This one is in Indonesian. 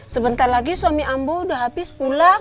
sebentar lagi suami ambo udah habis pulang